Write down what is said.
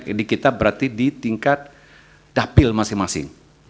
jadi kita berarti di tingkat dapil masing masing